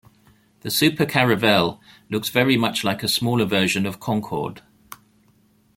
The Super-Caravelle looks very much like a smaller version of Concorde.